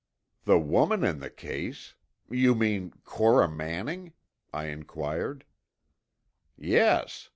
"The woman in the case? You mean Cora Manning?" I inquired. "Yes.